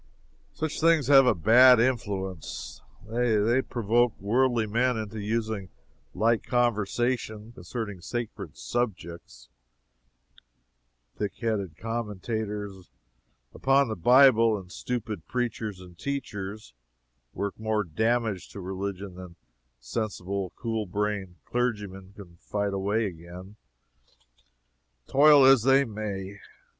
Such things have a bad influence. They provoke worldly men into using light conversation concerning sacred subjects. Thick headed commentators upon the Bible, and stupid preachers and teachers, work more damage to religion than sensible, cool brained clergymen can fight away again, toil as they may.